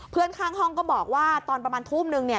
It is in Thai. ข้างห้องก็บอกว่าตอนประมาณทุ่มนึงเนี่ย